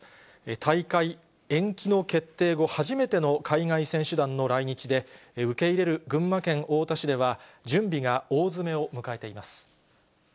大会延期の決定後、初めての海外選手団の来日で、受け入れる群馬県太田市では、準備が大詰めを迎えています。